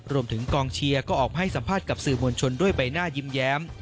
รวมถึงกองเชียร์ก็ออกมาให้สัมภาษณ์กับสื่อมวลชนด้วยใบหน้ายิ้มแย้ม